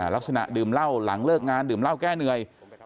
ลักษณะดื่มเหล้าหลังเลิกงานดื่มเหล้าแก้เหนื่อย